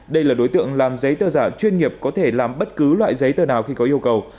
đây là đối tượng làm giấy tờ giả chuyên nghiệp có thể làm bất cứ loại giấy tờ nào khi có yêu cầu